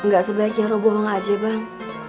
gak sebaiknya lo bohong aja bang